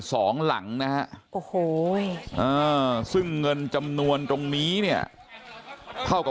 สองหลังนะฮะโอ้โหซึ่งเงินจำนวนตรงนี้เนี่ยเท่ากับ